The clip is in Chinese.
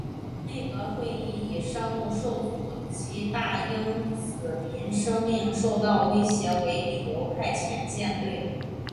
内阁会议以商务受阻及大英子民生命受到威胁为理由派遣舰队。